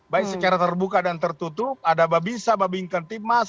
baik secara terbuka dan tertutup ada babinsa babiinkan timas